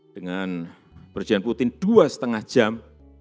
dengan presiden putin dua lima jam